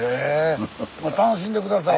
楽しんで下さい。